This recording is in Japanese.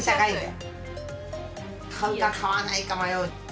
買うか買わないか迷う。